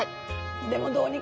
でもどうにか。